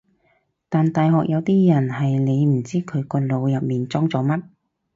但大學有啲人係你唔知佢個腦入面裝咗乜